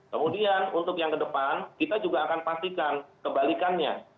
kemudian untuk yang ke depan kita juga akan pastikan kebalikannya